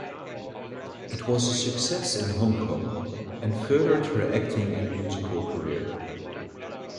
It was a success in Hong Kong and furthered her acting and musical career.